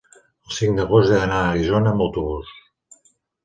el cinc d'agost he d'anar a Guissona amb autobús.